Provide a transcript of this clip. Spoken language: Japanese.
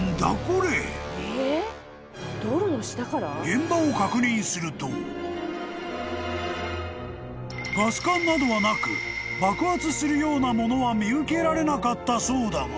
［現場を確認するとガス管などはなく爆発するような物は見受けられなかったそうだが］